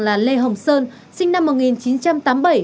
là lê hồng sơn sinh năm một nghìn chín trăm tám mươi bảy